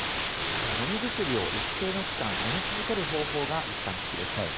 飲み薬を一定の期間飲み続ける方法が一般的です。